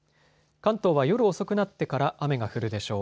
関東は夜遅くなってから雨が降るでしょう。